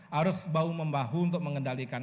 harus bahu membahu untuk mengendalikan